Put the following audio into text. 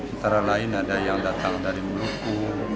antara lain ada yang datang dari maluku